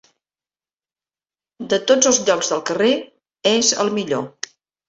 De tots els llocs del carrer, és el millor.